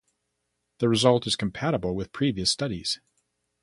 This result is compatible with previous studies.